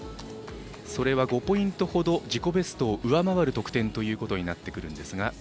それは、５ポイントほど自己ベストを上回る得点ということになってきますが。